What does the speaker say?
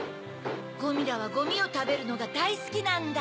ゴミラはゴミをたべるのがだいスキなんだ。